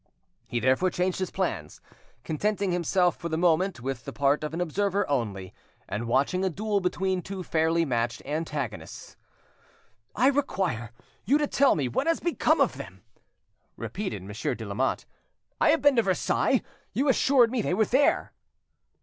He therefore changed his plans, contenting "himself for the moment with the part of an observer only, and watching a duel between two fairly matched antagonists. "I require: you to tell me what has become of them," repeated Monsieur de Lamotte. "I have been to Versailles, you assured me they were there."